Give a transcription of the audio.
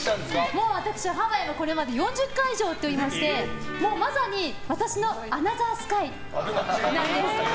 もう私、ハワイはこれまで４０回以上行っておりましてまさに私のアナザースカイなんです。